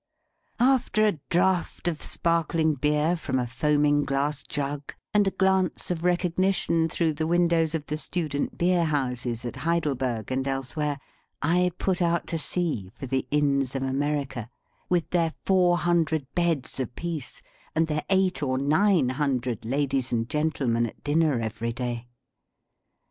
After a draught of sparkling beer from a foaming glass jug, and a glance of recognition through the windows of the student beer houses at Heidelberg and elsewhere, I put out to sea for the Inns of America, with their four hundred beds apiece, and their eight or nine hundred ladies and gentlemen at dinner every day.